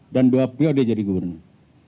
dan dua kali jadi gubernur